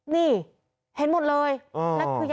นี่เห็นหมดเลย